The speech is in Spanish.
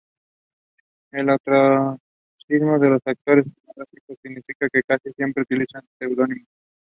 El ostracismo de los actores pornográficos significaba que casi siempre utilizaran seudónimos.